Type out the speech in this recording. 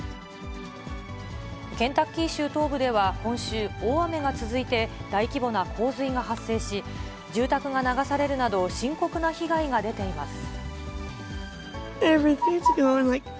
ケンタッキー州東部では今週、大雨が続いて、大規模な洪水が発生し、住宅が流されるなど、深刻な被害が出ています。